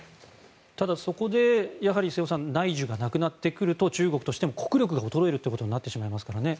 そこで、やはり瀬尾さん内需がなくなってくると中国としても国力が衰えることになりますからね。